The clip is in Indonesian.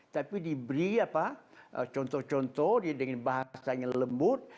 tapi diberi contoh contoh dengan bahasanya lembut